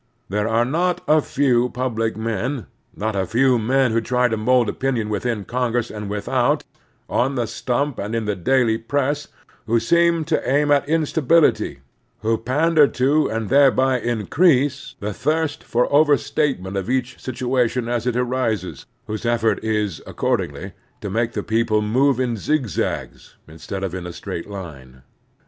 There are not a few public men, not a few men who try to mold opinion within G^ngress and without, on the stump and in the daily press, who seem to aim at instability, who pander to and thereby increase the thirst for overstatement of each situation as it arises, whose effort is, accord ingly, to make the people move in zigzags instead of in a straight line.